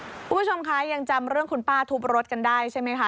คุณผู้ชมคะยังจำเรื่องคุณป้าทุบรถกันได้ใช่ไหมคะ